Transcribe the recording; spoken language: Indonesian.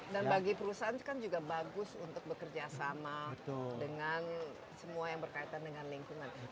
dan bagi perusahaan kan juga bagus untuk bekerja sama dengan semua yang berkaitan dengan lingkungan